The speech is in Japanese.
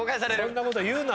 そんなこと言うな。